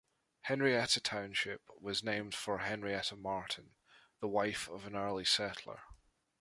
Henrietta Township was named for Henrietta Martin, the wife of an early settler.